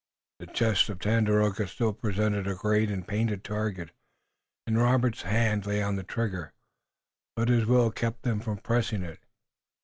The chest of Tandakora still presented a great and painted target, and Robert's hand lay on the trigger, but his will kept him from pressing it.